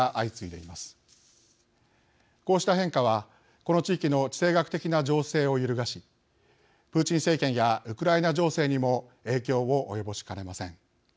こうした変化はこの地域の地政学的な情勢を揺るがしプーチン政権やウクライナ情勢にも影響を及ぼしかねません。